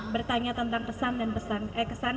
bertanya tentang pesan dan pesan